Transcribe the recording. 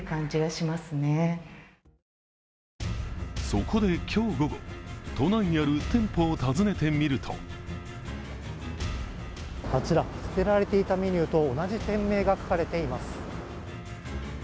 そこで今日午後、都内にある店舗を訪ねてみるとあちら、捨てられていたメニューと同じ店名が書かれています。